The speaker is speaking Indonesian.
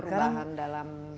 sudah sudah berjalan